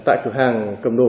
tại cửa hàng cầm đồ